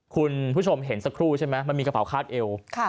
คุณผู้ชมเห็นสักครู่ใช่ไหมมันมีกระเป๋าคาดเอว